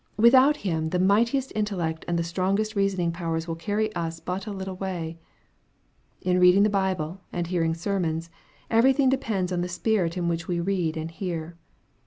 Without Him, the mightiest intellect and the strongest reasoning powers will carry us but a little way. In reading the Bible and hearing sermons, every thing depends on the spirit in which we read and hear.